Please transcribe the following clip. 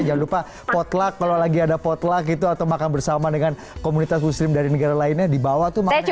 jangan lupa potluck kalau lagi ada potluck gitu atau makan bersama dengan komunitas muslim dari negara lainnya di bawah tuh makan